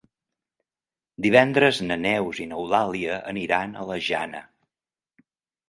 Divendres na Neus i n'Eulàlia aniran a la Jana.